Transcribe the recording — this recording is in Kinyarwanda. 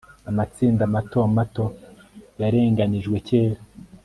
amatsinda mato mato yarenganijwe kera